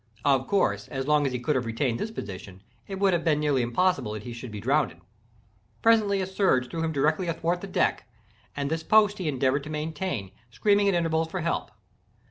Of course, as long as he could have retained this position, it would have been nearly impossible that he should be drowned. Presently a surge threw him directly athwart the deck, and this post he endeavored to maintain, screaming at intervals for help.